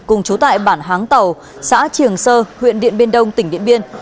cùng trú tại bản háng tàu xã triều sơ huyện điện biên đông tỉnh điện biên